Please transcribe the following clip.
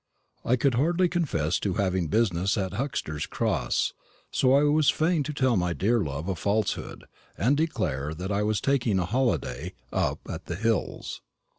I could hardly confess to having business at Huxter's Cross, so I was fain to tell my dear love a falsehood, and declare that I was taking a holiday "up at the hills."